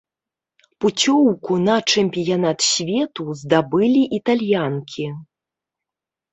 Пуцёўку на чэмпіянат свету здабылі італьянкі.